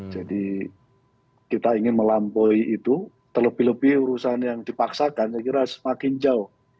jadi kita ingin melampaui itu terlebih lebih urusan yang dipaksakan saya kira semakin jauh